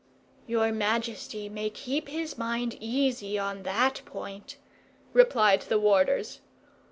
"Your majesty may keep his mind easy on that point," replied the warders.